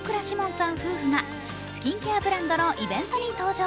さん夫婦がスキンケアブランドのイベントに登場。